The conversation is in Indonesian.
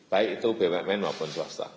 baik itu bumn maupun swasta